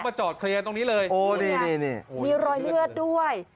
จอดเคลียร์ตรงนี้เลยโอ้นี่นี่มีรอยเลือดด้วย